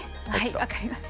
分かりました。